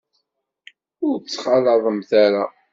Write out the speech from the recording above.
Ur tt-ttxalaḍemt ara.